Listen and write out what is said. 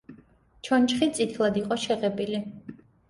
ჩონჩხი წითლად იყო შეღებილი.